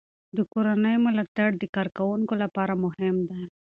د کورنۍ ملاتړ د کارکوونکو لپاره مهم دی.